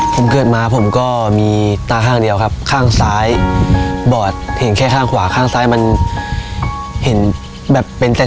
ผมเกิดมาผมก็มีตาข้างเดียวครับข้างซ้ายบอดเห็นแค่ข้างขวาข้างซ้ายมันเห็นแบบเป็นแต่